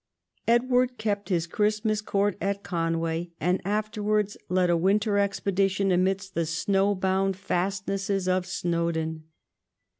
Edward kept his Christmas court at Conway, and afterwards led a winter expedition amidst the snow bound fastnesses of Snowdon.